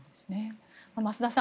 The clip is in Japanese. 増田さん